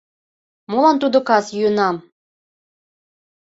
— Молан тудо кас йӱынам?